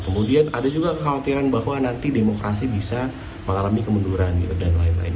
kemudian ada juga kekhawatiran bahwa nanti demokrasi bisa mengalami kemunduran dan lain lain